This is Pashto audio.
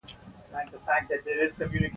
هغه لمرونه چې دی یې ودې ته اړتیا لري.